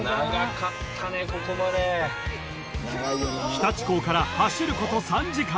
［日立港から走ること３時間］